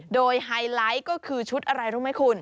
โดยไฮไลท์ก็คือชุดอะไรรู้ไหมคุณ